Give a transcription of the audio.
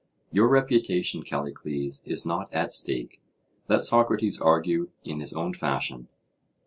Your reputation, Callicles, is not at stake. Let Socrates argue in his own fashion.